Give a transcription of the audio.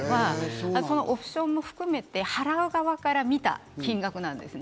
オプションも含めて払う側から見た金額なんですね。